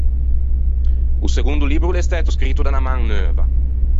O segondo libbro o l’é stæto scrito da unna man neuva.